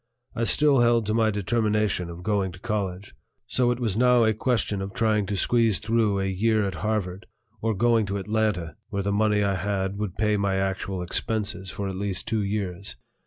I still held to my determination of going to college; so it was now a question of trying to squeeze through a year at Harvard or going to Atlanta, where the money I had would pay my actual expenses for at least two years.